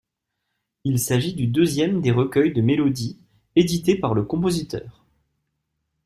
Il s'agit du deuxième des recueils de mélodies édité par le compositeur.